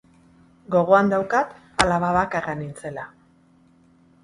Gogoan daukat alaba bakarra nintzela.